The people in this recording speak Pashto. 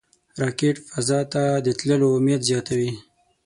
راکټ فضا ته د تللو امید زیاتوي